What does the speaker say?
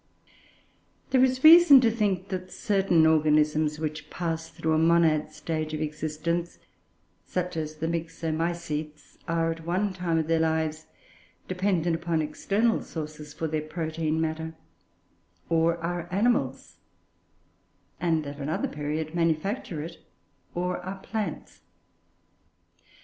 There is reason to think that certain organisms which pass through a monad stage of existence, such as the Myxomycetes, are, at one time of their lives, dependent upon external sources for their protein matter, or are animals; and, at another period, manufacture it, or are plants.